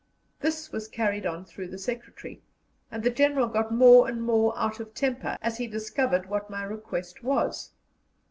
This was carried on through the secretary, and the General got more and more out of temper as he discovered what my request was.